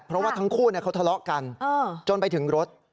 เพราะว่าทั้งคู่เขาทะเลาะกันจนไปถึงรถ